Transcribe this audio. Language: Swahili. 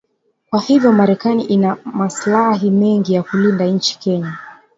kwa hivyo Marekani ina maslahi mengi ya kulinda nchini Kenya